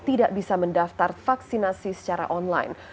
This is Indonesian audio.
tidak bisa mendaftar vaksinasi secara online